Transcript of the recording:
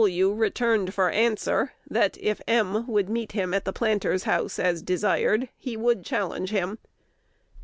W. returned for answer, that, if M. would meet him at the Planter's House as desired, he would challenge him.